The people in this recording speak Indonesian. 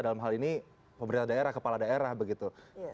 dalam hal ini pemerintah daerah kepala daerah begitu